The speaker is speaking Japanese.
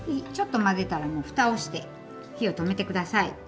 ちょっと混ぜたらもうふたをして火を止めて下さい。